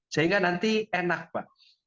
sehingga nanti enak pak